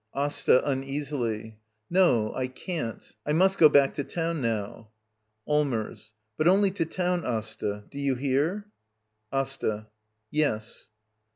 ^^Asta. [Uneasily.] No; I can't. I must go back to town now. Allmers. But only to town, Asta. Do you hear? Asta. Yes.